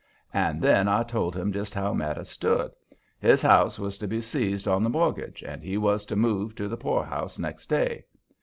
And then I told him just how matters stood. His house was to be seized on the mortgage, and he was to move to the poorhouse next day.